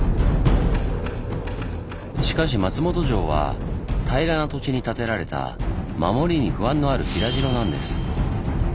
しかし松本城は平らな土地に建てられた守りに不安のある平城なんです。